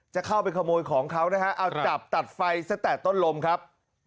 จะเข้าไปขโมยของเขานะฮะเอาจับตัดไฟซะแต่ต้นลมครับ